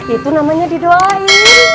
itu namanya didoain